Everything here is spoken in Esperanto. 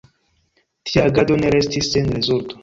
Tia agado ne restis sen rezulto.